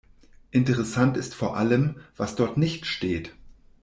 Interessant ist vor allem, was dort nicht steht.